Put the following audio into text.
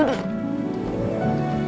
oh duduk duduk duduk